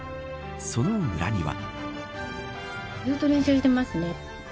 その裏には。